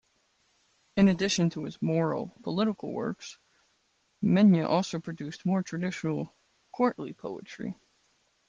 In addition to his moral-political works, Mena also produced more traditional courtly poetry.